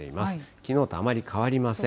きのうとあまり変わりません。